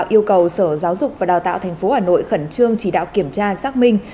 đào tạo yêu cầu sở giáo dục và đào tạo thành phố hà nội khẩn trương chỉ đạo kiểm tra xác minh